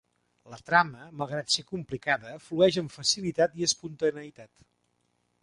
La trama, malgrat ser complicada, flueix amb facilitat i espontaneïtat.